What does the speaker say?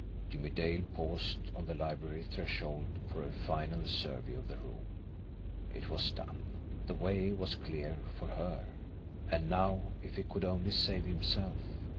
Jimmie Dale paused on the library threshold for a final survey of the room. It was done! The way was clear for her. And now if he could only save himself!